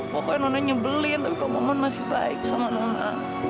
pokoknya nona nyebelin tapi pak nona masih baik sama nona